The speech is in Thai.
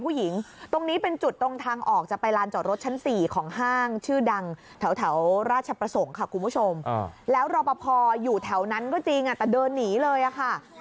ผู้หญิงตรงนี้เป็นจุดตรงทางออกจะไปลานจอดรถชั้น๔ของห้างชื่อดังแถวราชประสงค์ค่ะคุณผู้ชมแล้วรอปภอยู่แถวนั้นก็จริงแต่เดินหนีเลยค่ะ